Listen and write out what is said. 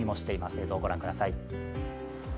映像をご覧ください。